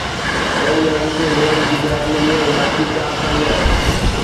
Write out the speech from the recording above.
چئن ڄڻن کي ويهڻ جي جاءِ ملي ۽ باقي چار ٽنگيل.